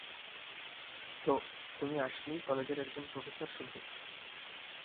তো, তুমি আসলেই কলেজের একজন প্রফেসর শুধু?